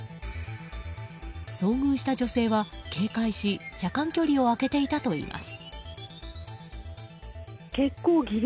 遭遇した女性は警戒し車間距離を開けていたといいます。